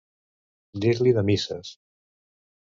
Dir-li de misses.